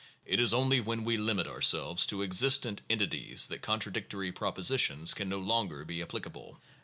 It is only when we limit ourselves to "ex istent" entities that contradictory propositions can no longer be applicable (p.